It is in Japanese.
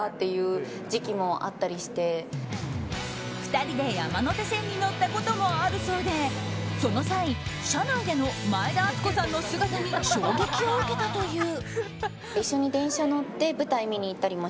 ２人で山手線に乗ったこともあるそうでその際、車内での前田敦子さんの姿に衝撃を受けたという。